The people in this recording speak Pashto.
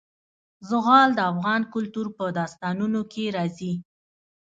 زغال د افغان کلتور په داستانونو کې راځي.